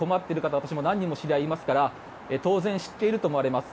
私、知り合いで何人もいますから当然、知っていると思われます。